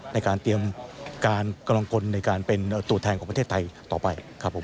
ในการเตรียมการกำลังกลในการเป็นตัวแทนของประเทศไทยต่อไปครับผม